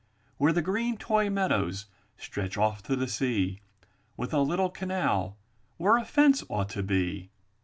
Where the green toy meadows stretch off to the sea, With a little canal where a fence ought to be!